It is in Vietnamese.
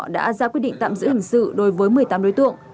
đã ra quyết định tạm giữ hình sự đối với một mươi tám đối tượng